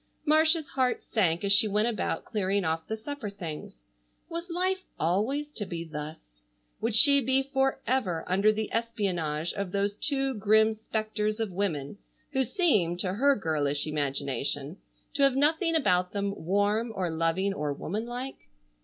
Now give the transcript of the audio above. Marcia's heart sank as she went about clearing off the supper things. Was life always to be thus? Would she be forever under the espionage of those two grim spectres of women, who seemed, to her girlish imagination, to have nothing about them warm or loving or woman like?